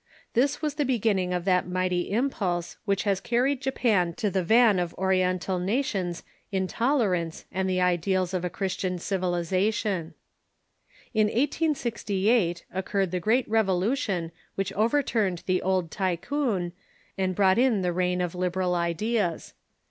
This was the beginning of that mighty im MISSIONS 611 pulse which has carried Japan to the van of Oriental nations in tolerance and the ideals of a Christian civilization. In 1868 occurred the great revolution which overturned the old Tycoon, and brought in the reign of liberal ideas.